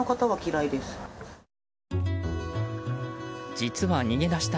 実は逃げ出した